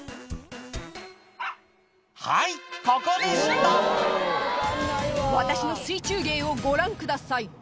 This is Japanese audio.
はいここでした「私の水中芸をご覧ください」